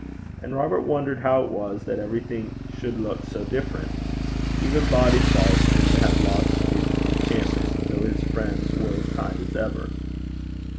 And Robert wondered how it was that everything should look so different. Even Bodyfauld seemed to have lost its enchantment, though his friends were as kind as ever.